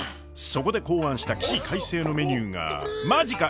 そこで考案した起死回生のメニューがまじか？